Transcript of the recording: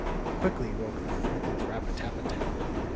Quickly woke them with its rap a tap a tap!